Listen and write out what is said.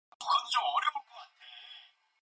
동혁이도 따라 부르고 싶은 충동을 느꼈다.